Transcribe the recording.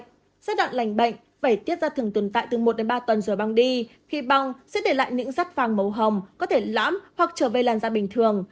giai đoạn lành bệnh vẩy tiết ra thường tồn tại từ một đến ba tuần rồi băng đi khi băng sẽ để lại những rắt vàng màu hồng có thể lãm hoặc trở về làn da bình thường